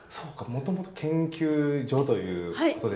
もともと研究所ということでしたもんね。